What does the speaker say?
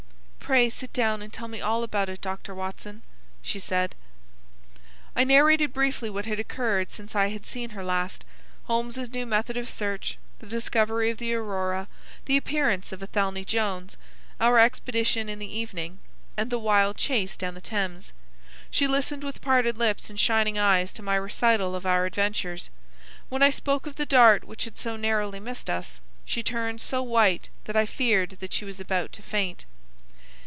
"Pray sit down and tell me all about it, Dr. Watson," said she. I narrated briefly what had occurred since I had seen her last,—Holmes's new method of search, the discovery of the Aurora, the appearance of Athelney Jones, our expedition in the evening, and the wild chase down the Thames. She listened with parted lips and shining eyes to my recital of our adventures. When I spoke of the dart which had so narrowly missed us, she turned so white that I feared that she was about to faint.